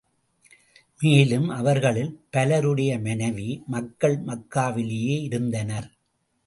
மேலும், அவர்களில் பலருடைய மனைவி, மக்கள் மக்காவிலேயே இருந்தனர்.